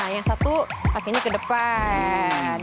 yang satu kakinya ke depan